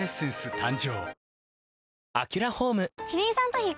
誕生